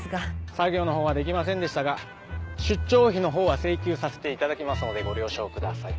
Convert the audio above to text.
作業の方はできませんでしたが出張費の方は請求させていただきますのでご了承ください。